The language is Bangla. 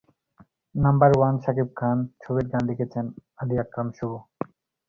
নাম্বার ওয়ান শাকিব খান ছবির গান লিখেছেন আলী আকরাম শুভ।